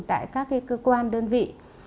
tại các cơ quan đơn vị